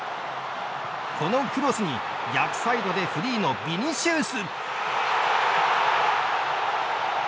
このクロスに逆サイドでフリーのビニシウス。